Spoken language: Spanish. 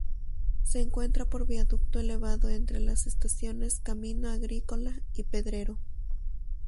Se encuentra por viaducto elevado entre las estaciones Camino Agrícola y Pedrero.